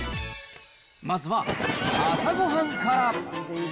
まずは朝ごはんから。